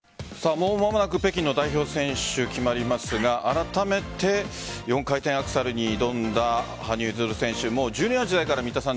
もう間もなく北京の代表選手、決まりますがあらためて４回転アクセルに挑んだ羽生結弦選手ジュニアの時代から三田さん